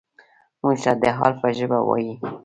موږ ته د حال په ژبه وايي.